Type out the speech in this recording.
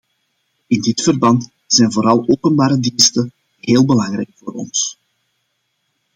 In dit verband zijn vooral openbare diensten heel belangrijk voor ons.